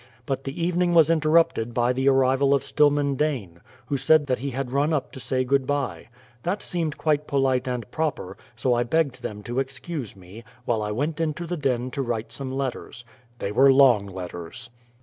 But the evening was interrupted by the arrival of Stillman Dane, who said that he had run up to say good bye. That seemed quite polite and proper, so I begged them to excuse me, while I went into the den to write some letters. They were long letters.